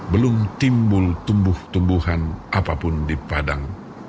belum timbul tumbuh tumbuhan apapun di padang